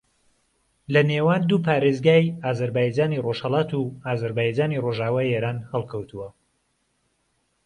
لە نێوان دوو پارێزگای ئازەربایجانی ڕۆژھەڵات و ئازەربایجانی ڕۆژاوای ئێران ھەڵکەوتووە